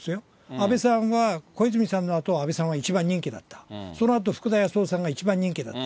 安倍さんは、小泉さんのあと、安倍さんは一番人気だった、そのあと福田康夫さんが一番人気だった。